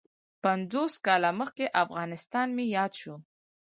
پنځوس کاله مخکې افغانستان مې یاد شو.